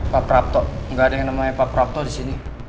pak prapto gak ada yang namanya pak prapto disini